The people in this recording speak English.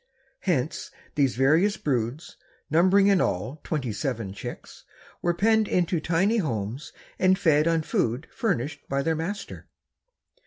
Hence these various broods, numbering in all twenty seven chicks, were penned into tiny homes and fed on food furnished by their master.